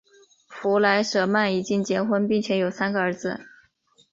弗莱舍曼已经结婚并且有三个儿子。